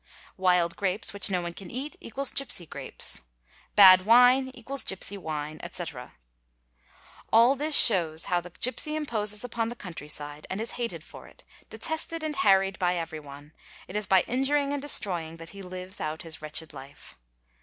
Wild grapes which no one can eat=gipsy grapes. Bad wine=gipsy wine, etc. cite All this shows how the gipsy imposes upon the countryside and is' hated for it: detested and harried by everyone, it is by injuring and destroying that he lives out his wretched life.